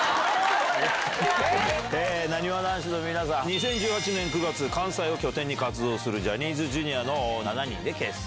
なにわ男子の皆さん、２０１８年９月、関西を拠点に活動するジャニーズＪｒ．の７人で結成。